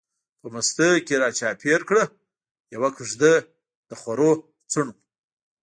په مستۍ کی را چار پیر کړه، یوه کیږدۍ دخورو څڼو